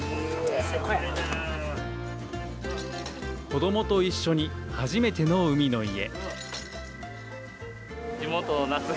子どもと一緒に初めての海の家。